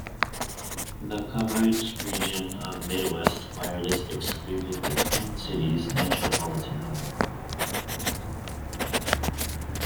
The coverage region of Midwest Wireless excluded the Twin Cities metropolitan area.